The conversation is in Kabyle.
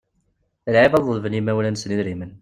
D lɛib ad ḍelben i yimawlan-nsen idrimen.